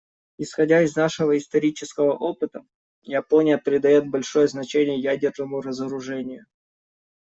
Исходя из нашего исторического опыта, Япония придает большое значение ядерному разоружению.